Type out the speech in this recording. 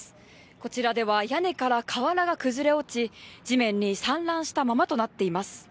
こちらでは屋根から瓦が崩れ落ち、地面に散乱したままとなっています。